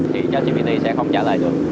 thì cho gpt sẽ không trả lời được